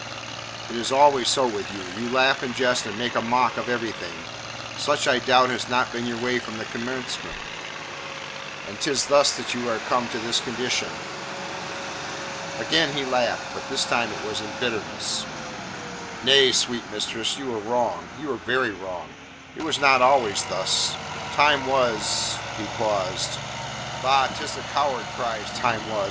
"It is always so with you. You laugh and jest and make a mock of everything. Such I doubt not has been your way from the commencement, and 'tis thus that you are come to this condition." Again he laughed, but this time it was in bitterness. "Nay, sweet mistress, you are wrong you are very wrong; it was not always thus. Time was " He paused. "Bah! 'Tis the coward cries "time was"!